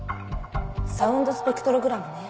サウンドスペクトログラムね。